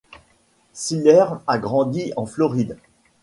Cyler a grandi en Floride.